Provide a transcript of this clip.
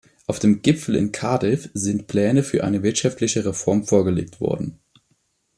Auf dem Gipfel in Cardiff sind Pläne für eine wirtschaftliche Reform vorgelegt worden.